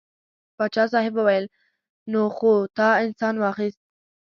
پاچا صاحب وویل نو خو تا انسان واخیست.